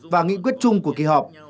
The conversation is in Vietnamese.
và nghị quyết chung của kỳ họp